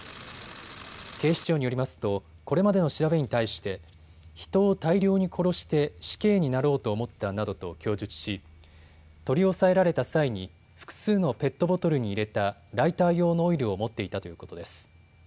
警視庁によりますと、これまでの調べに対して人を大量に殺して死刑になろうと思ったなどと供述し取り押さえられた際に複数のペットボトルに入れたライター用のオイルを持っていたということです。